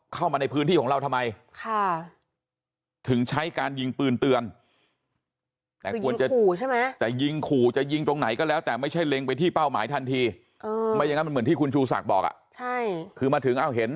เข้ามาในพื้นที่ของเราทำไมค่ะถึงใช้การยิงปืนเตือนแต่